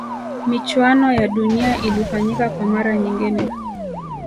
michuano ya dunia ilifanyika kwa mara nyingine